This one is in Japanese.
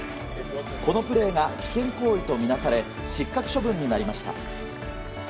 このプレーが危険行為とみなされ失格処分になりました。